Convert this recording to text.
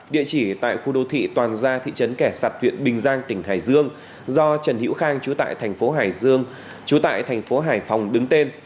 địa chỉ tại khu đô thị toàn gia thị trấn kẻ sạt huyện bình giang tỉnh hải dương do trần hữu khang chú tại thành phố hải dương trú tại thành phố hải phòng đứng tên